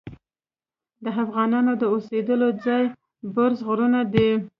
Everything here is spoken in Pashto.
د افغانانو د اوسیدلو ځای برز غرونه دي.